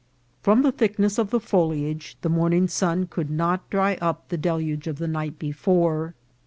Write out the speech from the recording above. From the thickness of the foliage the morning sun could not dry up the deluge of the night before.